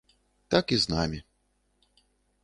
Так і з намі.